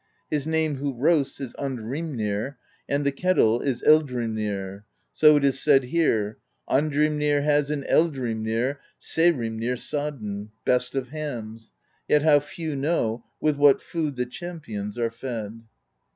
His name who roasts is Andhrimnir, and the kettle is Eldhrimnir; so it is said here: Andhrimnir has in Eldhrimnir Saehrimnir sodden. Best of hams; yet how few know With what food the champions are fed.'